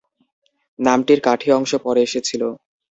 নামটির কাঠি অংশ পরে এসেছিল।